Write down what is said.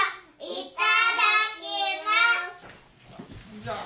いただきます。